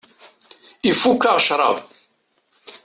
Ifukk-aɣ ccrab.